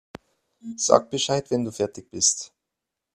Sag Bescheid, wenn du fertig bist.